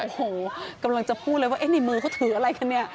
โอ้โหกำลังจะพูดเลยว่าในมือเขาถืออะไรกันเนี่ย